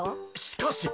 しかし！